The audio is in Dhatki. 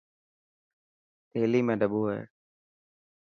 ٿيلي ۾ ڏٻو هي.